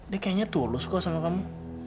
dia kayaknya tulus kok sama kamu